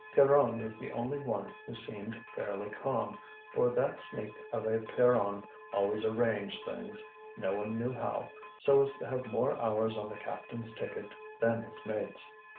Pierronne was the only one who seemed fairly calm, for that sneak of a Pierron always arranged things, no one knew how, so as to have more hours on the captain's ticket than his mates.